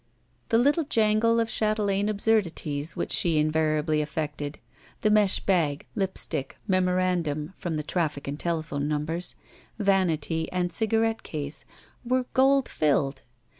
The little jangle of chatelaine absui'dities which she invariably affected — ^mesh bag, lip stick, memo randum (for the traffic in telephone numbers), vanity, and cigarette case were gold — ^filled.